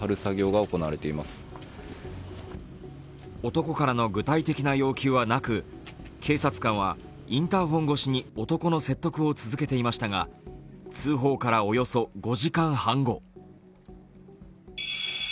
男からの具体的な要求はなく、警察官はインターフォン越しに男の説得を続けていましたが通報からおよそ５時間半後